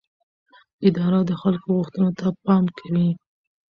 اداره د خلکو غوښتنو ته پام کوي.